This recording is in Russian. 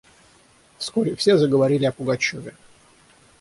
Вскоре все заговорили о Пугачеве.